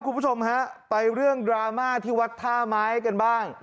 คุณผู้ชมฮะไปเรื่องดราม่าที่วัดท่าไม้กันบ้าง